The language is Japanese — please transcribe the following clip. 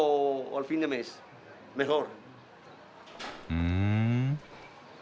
ふん。